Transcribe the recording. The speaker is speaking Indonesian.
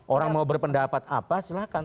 orang mau berpendapat apa silahkan